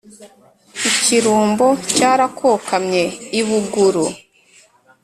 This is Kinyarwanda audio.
ikirumbo cyarakwokamye i buguru.